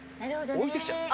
置いて来ちゃう。